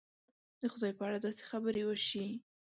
د خدای په اړه داسې خبرې وشي.